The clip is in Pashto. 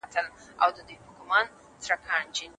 اوږدمهاله پلانونه دایمي پرمختګ راوړي.